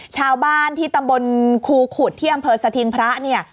ชาวบ้านที่ตำบลครูขุดที่อำเภอสถิงพระเนี่ย